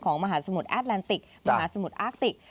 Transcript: มหาสมุทรแอดแลนติกมหาสมุทรอาคติก